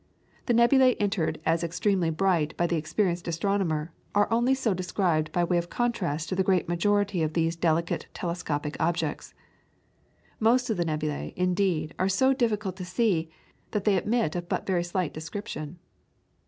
The nebulae entered as extremely bright by the experienced astronomer are only so described by way of contrast to the great majority of these delicate telescopic objects. Most of the nebulae, indeed, are so difficult to see, that they admit of but very slight description.